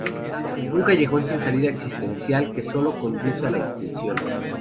Un callejón sin salida existencial que sólo conduce a la extinción.